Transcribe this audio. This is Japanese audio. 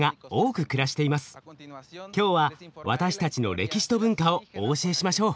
今日は私たちの歴史と文化をお教えしましょう！